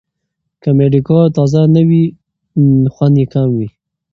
که مډیګا تازه نه وي، خوند یې کم وي.